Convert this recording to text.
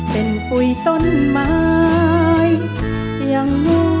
เป็นปุ่ยต้นไม้ยังงอบหลัง